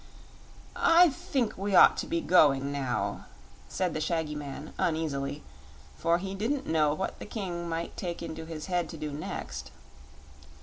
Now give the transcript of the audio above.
"I think we ought to be going now," said the shaggy man, uneasily, for he didn't know what the King might take into his head to do next.